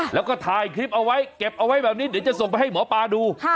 แล้วก็ถ่ายคลิปเอาไว้เก็บเอาไว้แบบนี้เดี๋ยวจะส่งไปให้หมอปลาดู